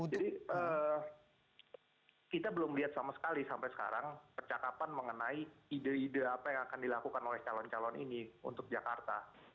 jadi kita belum lihat sama sekali sampai sekarang percakapan mengenai ide ide apa yang akan dilakukan oleh calon calon ini untuk jakarta